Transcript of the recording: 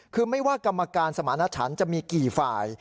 คือไม่ว่ากรรมการสมาณชันจะมีกี่ฝ่าย